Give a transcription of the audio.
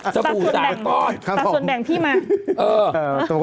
สะพู๓ก้อนตัวส่วนแบ่งพี่มาครับผมเออ